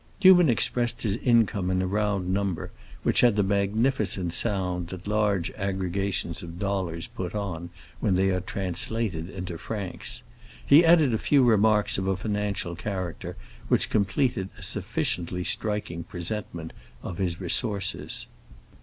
Newman expressed his income in a round number which had the magnificent sound that large aggregations of dollars put on when they are translated into francs. He added a few remarks of a financial character, which completed a sufficiently striking presentment of his resources.